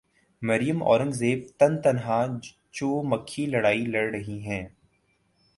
مریم اورنگزیب تن تنہا چو مکھی لڑائی لڑ رہی ہیں۔